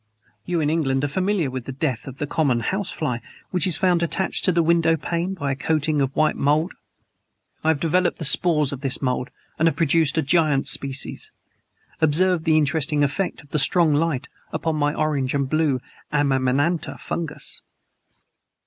You, in England, are familiar with the death of the common house fly which is found attached to the window pane by a coating of white mold. I have developed the spores of this mold and have produced a giant species. Observe the interesting effect of the strong light upon my orange and blue amanita fungus!"